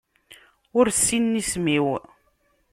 Ur ssinen isem-iw.